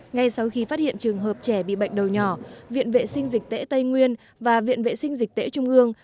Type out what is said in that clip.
ngay sau khi phát hiện trường hợp trẻ bị bệnh đầu nhỏ viện vệ sinh dịch tễ tây nguyên và viện vệ sinh dịch tễ trung ương